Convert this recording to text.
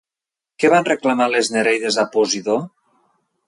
Què van reclamar les Nereides a Posidó?